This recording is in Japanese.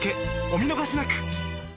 お見逃しなく！